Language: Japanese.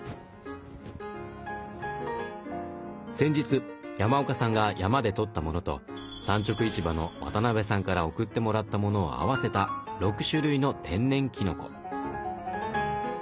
先日山岡さんが山で採ったものと産直市場の渡辺さんから送ってもらったものをあわせた６種類の天然きのこ。